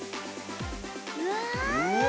うわ！